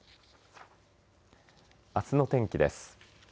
あすの天気です。